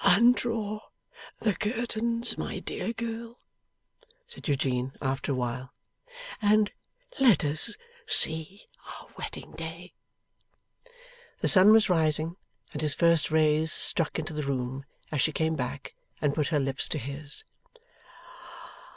'Undraw the curtains, my dear girl,' said Eugene, after a while, 'and let us see our wedding day.' The sun was rising, and his first rays struck into the room, as she came back, and put her lips to his.